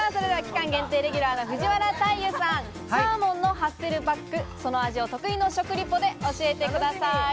では期間限定レギュラーの藤原大祐さん、サーモンのハッセルバック、そのお味を得意の食リポで教えてください。